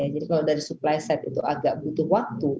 jadi kalau dari supply side itu agak butuh waktu